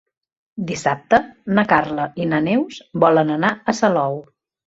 Dissabte na Carla i na Neus volen anar a Salou.